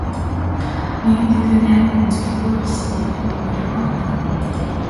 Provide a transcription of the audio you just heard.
Нэгэнт эдгээр найман үзэл үгүй болсон үед бид нирваанд хүрдэг.